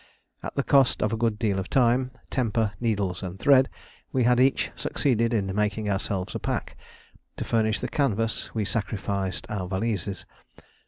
At the cost of a good deal of time, temper, needles and thread, we had each succeeded in making ourselves a pack: to furnish the canvas we sacrificed our valises.